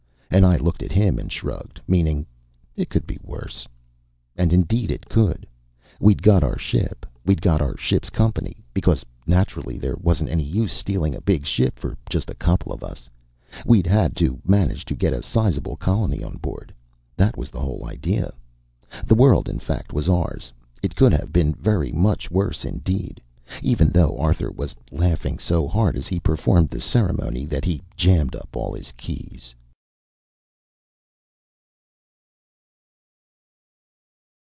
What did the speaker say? And I looked at him and shrugged, meaning, it could be worse. And indeed it could. We'd got our ship; we'd got our ship's company because, naturally, there wasn't any use stealing a big ship for just a couple of us. We'd had to manage to get a sizable colony aboard. That was the whole idea. The world, in fact, was ours. It could have been very much worse indeed, even though Arthur was laughing so hard as he performed the ceremony that he jammed up all his keys.